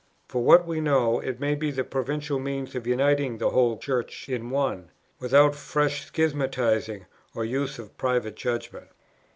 For what we know, it may be the providential means of uniting the whole Church in one, without fresh schismatizing or use of private judgment."